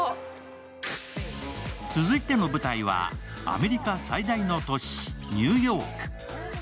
続いての舞台は、アメリカ最大の都市、ニューヨーク。